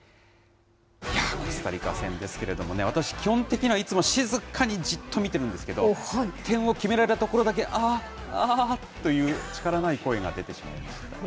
コスタリカ戦ですけれども、私、基本的にはいつも静かにじっと見てるんですけど、点を決められたところだけ、ああ、ああという力ない声が出てしまいました。